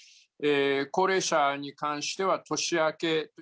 高齢者に関しては年明け。